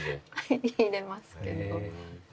入れますけど。